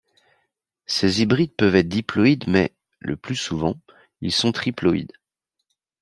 Ces hybrides peuvent être diploïdes mais, le plus souvent, ils sont triploïdes.